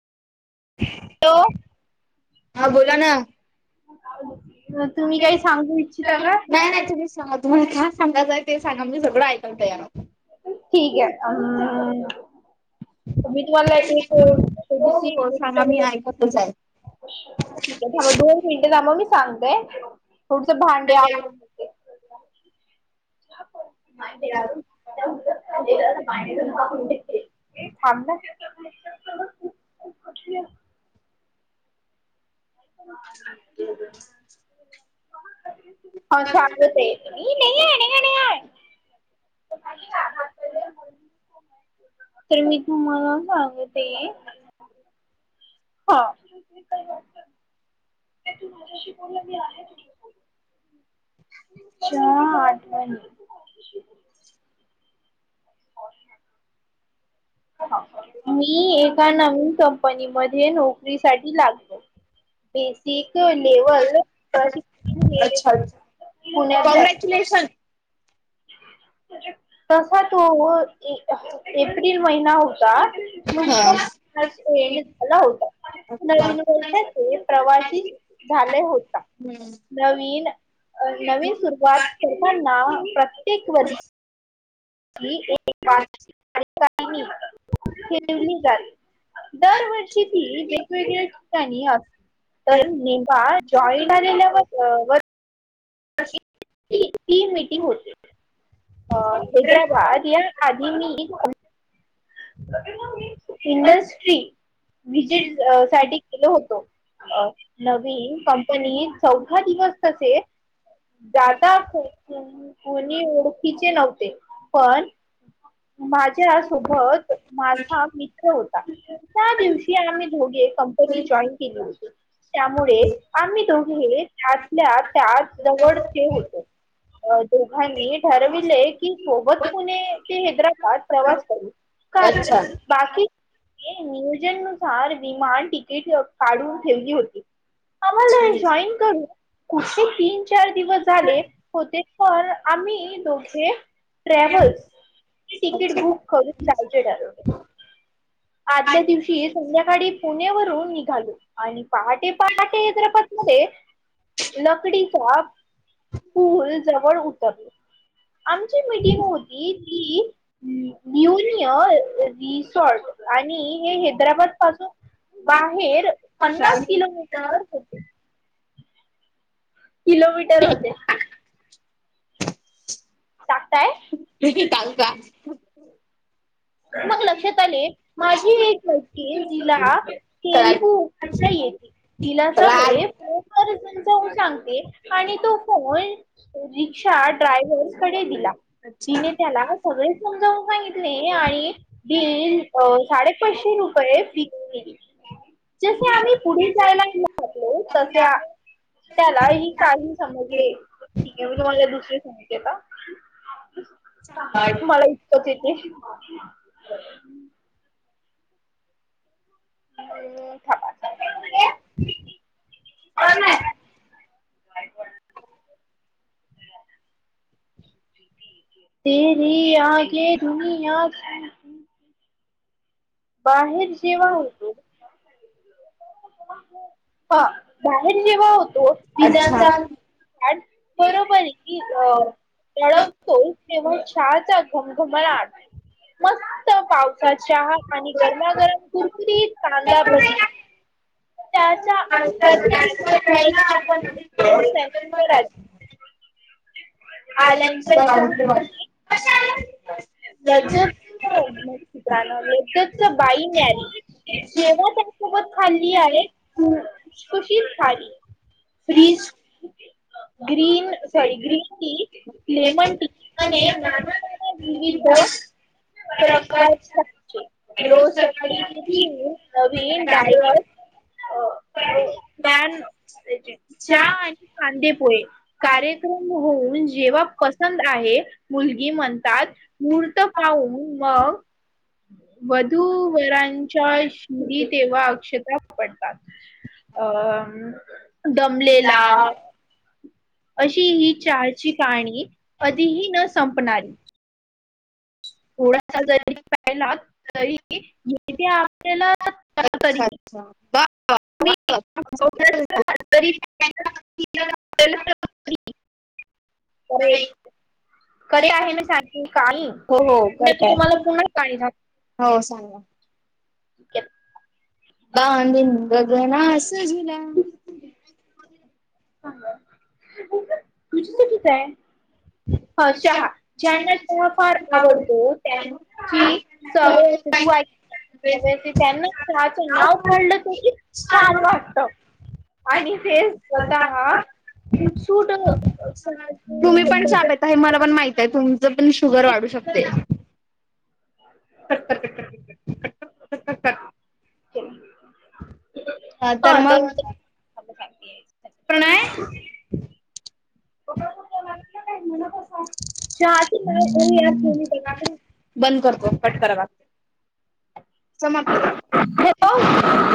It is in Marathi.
ॅो हॅलो हा बोला ना [inaudible] सांगू इच्छिता नाही का? नाही तुम्ही सांगा तुम्हाला काय सांगायचंय ते सांगा म्हजे सगळं ऐकून तयार ठीक आहे मी तुम्हाला एक हो छोडीशी हो गिफ्ट सांगा मी ऐकतच आहे. ठीक आहे ांब दोन मिनिटे थां म मी सांगतोय थोडस भांडे आव मा मा थांब ते हो शग नाही आहे घणे ह नाही का तर मी तुम्हाला सांगते हा काही वाटत त माझ्याशी बलं मी आहे आठ मणी मी एका नवीन कंपनी मध्ये नोकरी साठी लागतो बेसिक लेवल प्रशिकषण हे पुण्यात विश्लेशन तसा तो एप्रिल महिना होता मगत हा. झाला होता नवीन वर्ष ते प्रवासी झाले होता हम्म. नवीन नवीन सुरुवात सर्वांना प्रत्येक वर्ष ही एक ठेवली जात दरवर्षी ती वेगवेगळ्या ठिकाणी असते तर निंबा जॉईट झालेल्यावर व ती मीटिंग होते अ हैदराबाद या अधी म ह इंडस्ट्री विजिट साठी केल होतो नवीन कंपनी चौदा दिवस तसे जादा कोणी ओळखीचे नव्हते पण माझ्या सोबत माझा मित होता त्या दिवशी आम्ही ोडी कंपनी जॉईन केली होती त्यामुळे आम्ही दोघे त्यातल्या त्या जवळचे होतो अ दोघांनी ठरविले की सोबत पुणे ते हैदराबाद प्रवास करू कारण बाकी अच्छा. नियोजन नुसार विमान ट काढून ठेवली होती आम्हाला जॉईन करून कुठे तीन चार दिवस झाले होते पण आम्ही दोघे ट्रॅव्हल्स तिकीट बुक करून जायचे ठरवले आदल्या दिवशी संध्याकाळी पुणे वून निघालो आणि पहाटे पहाटे्रप नकडीचा स्ूल जवळ उतरल आमची मिीटिंग होती ती न्यनिय रिसॉर्ट आणि हे हैदराबाद पासून बाहेर पन्नास काल किलोमीटर हो किलोमीटर होते टाकताय कालका मग लक्षात आले माझी एक नकी तिला चला खेलू येते तिला सगळे फोनर्जून जाऊन सांगते आणि तो फोन रिक्षा ड्रायव्हर कडे दिला तिने त्याला सगळे समजावून सहितले आणि बल साडे पाचशे रुपये फून दिली जसे आम्ही पुढे जायला घेऊातलो तसे त्याला ही काल मी समजले ठीक आहे म्हणजे मला दुसरे सांगितते का मला इती थांबा. तेरी आगे दुनया बाहेर जेव्हा होतो हा बाहेर जेव्हा होतो अच्छा वििजांचा अच्छा कार बरोबर आहे की अ तळवतो तेव्हा चहाचा घमघमलाट मस्त फ पावसात चहा आणि गरमागरम कुरकुरीत कांदा भजी त्या आलन लज्जत चित्रान लज्जत च बाई मिळाली जेव्हा त्यासोबत खाल्ली आहे खुखुशी खाली fridge green sorry green tea lemon tea आणि विविध प्रकाश रोज सकाळी घेऊून नवीन डायट ान चहा आणि कांदे पोळे कार्यक्रम होऊन जेव्हा पसंत आहे मुलगी म्हणतात मुहूर्त पाहन मग वधू वरांच्या शरी तेव्हा अक्षता वापडतात अ दमलेला अशी ही चारची काणी कधीही न संपणारी थोडासा जरी पला तरी येथे तेला तरी वा [unintelligible] का नय खरे आहे ना सांगते कहाणी हो हो करताय. तुम्हाला पुन्हा कहाणी सांगते. हो सांगा. [unintelligible] बाधन गगना अस झला तुझीसकीच आहे ह चहा ज्यांना त्हा फार आवडतो त्यांची त सवळ अस तू ऐ त्यांना शहाचं नाव पडलं तर की छान वाटत आणि तेचं तुम्ही पण चहा पिता हे मला पण माहित आहे तुम तुझ पण शुगर वाढू शकते. [unintelligible] ह तर मग प्रणय. चहा ची [unintelligible] बंद करतो कट करावा समाप्त करा. हॅलो